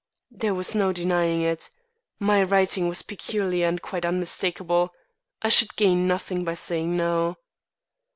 There was no denying it. My writing was peculiar and quite unmistakable. I should gain nothing by saying no.